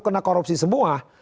kena korupsi semua